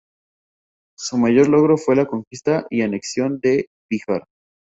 Su mayor logro fue la conquista y anexión de Bihar.